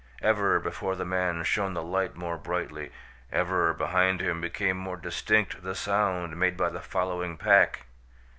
Ever before the man shone the light more brightly; ever behind him became more distinct the sound made by the following pack.